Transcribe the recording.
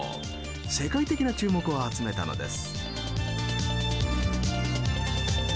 世界的な注目を集めたのです。